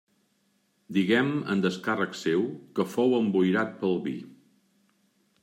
Diguem en descàrrec seu que fou emboirat pel vi.